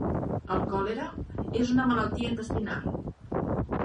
El còlera és una malaltia intestinal.